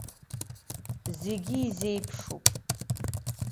Зегьы изеиԥшуп.